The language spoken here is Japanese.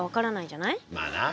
まあな。